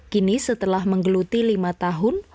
kini setelah menggeluti lima tahun